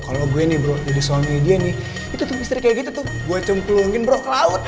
kalau gue nih bro jadi suami dia nih itu tuh istri kayak gitu tuh